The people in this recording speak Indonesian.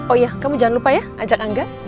oh ya kamu jangan lupa ya ajak angga